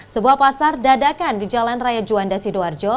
sebuah pasar dadakan di jalan raya juanda sidoarjo